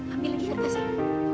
ambil lagi kertasnya